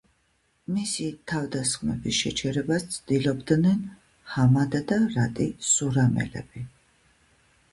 მისი თავდასხმების შეჩერებას ცდილობდნენ ჰამადა და რატი სურამელები.